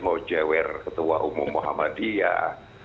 mau jewer ketua umum muhammadiyah